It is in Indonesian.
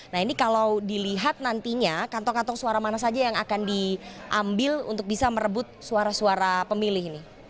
nah ini kalau dilihat nantinya kantong kantong suara mana saja yang akan diambil untuk bisa merebut suara suara pemilih ini